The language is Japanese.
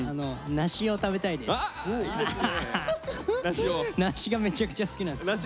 梨がめちゃくちゃ好きなんですよ。